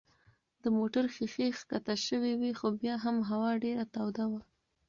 د موټر ښيښې کښته شوې وې خو بیا هم هوا ډېره توده وه.